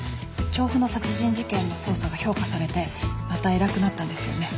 調布の殺人事件の捜査が評価されてまた偉くなったんですよね。